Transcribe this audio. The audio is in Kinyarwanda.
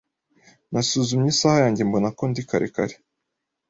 Nasuzumye isaha yanjye mbona ko ndi kare kare.